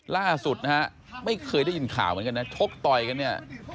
ล่าสุดนะฮะไม่เคยได้ยินข่าวเหมือนกันนะชกต่อยกันเนี่ย